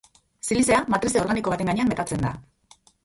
Silizea matrize organiko baten gainean metatzen da.